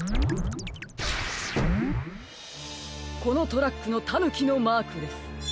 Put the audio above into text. このトラックのタヌキのマークです！